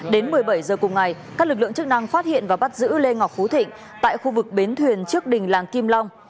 đến một mươi bảy h cùng ngày các lực lượng chức năng phát hiện và bắt giữ lê ngọc phú thịnh tại khu vực bến thuyền trước đình làng kim long